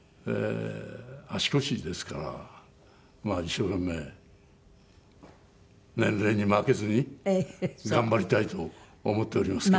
足腰ですからまあ一生懸命年齢に負けずに頑張りたいと思っておりますけれども。